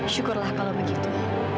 syukurlah kalau begitu